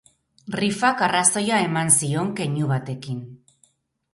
Rifak arrazoia eman zion keinu batekin.